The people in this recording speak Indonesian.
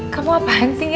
kamu apaan sih nge